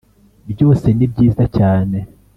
byose nibyiza cyane